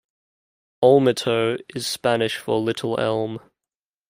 "Olmito" is Spanish for "little elm".